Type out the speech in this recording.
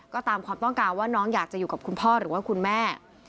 ก็ตามความต้องการว่าน้องอยากจะอยู่กับคุณพ่อหรือว่าคุณแม่